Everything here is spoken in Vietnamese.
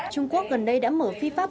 trung quốc gần đây đã mở phi pháp